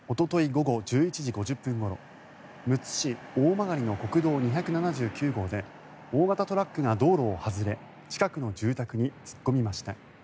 午後１１時５０分ごろむつ市大曲の国道２７９号で大型トラックが道路を外れ近くの住宅に突っ込みました。